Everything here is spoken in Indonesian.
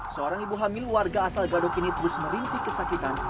seorang ibu hamil warga asal gadopini terus merintih kesakitan